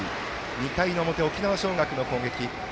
２回の表、沖縄尚学の攻撃。